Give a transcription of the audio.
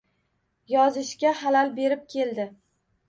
Yozishga xalal berib keldi.